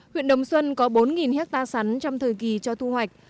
huyện đồng xuân có bốn hectare sắn trong thời kỳ cho thu hoạch